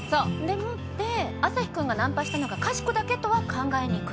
でもってアサヒくんがナンパしたのがかしこだけとは考えにくい。